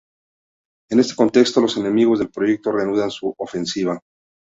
En este contexto, los enemigos del proyecto, reanudan su ofensiva.